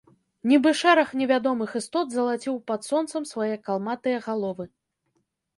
Нібы шэраг невядомых істот залаціў пад сонцам свае калматыя галовы.